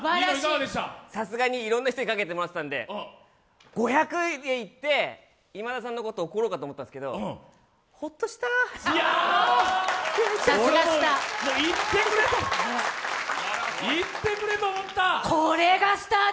さすがにいろいろな人にかけてもらってたんで５００いって、今田さんのこと怒ろうと思ったんですけどさすがスター。